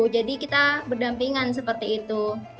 jadi kita berdampingan seperti itu